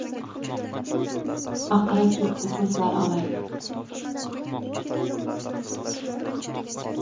Baqira ketdi ko`zlari olayib